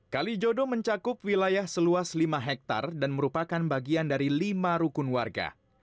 kalijodo mencakup wilayah seluas lima hektare dan merupakan bagian dari lima rukun warga